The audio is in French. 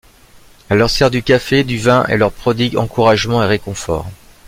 Elle leur sert du café, du vin et leur prodigue encouragements et réconfort.